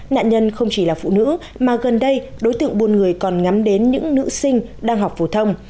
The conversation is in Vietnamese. nạn nhân không chỉ là phụ nữ mà gần đây đối tượng buôn người còn ngắm đến những nữ sinh đang học phổ thông